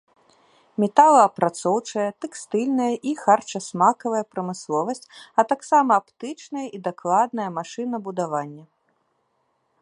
Металаапрацоўчая, тэкстыльная і харчасмакавая прамысловасць, а таксама аптычнае і дакладнае машынабудаванне.